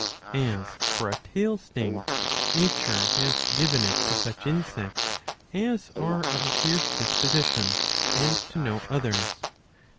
^^ As for a tail sting, nature has given it to such insects as are of a fierce disposition, and to no others.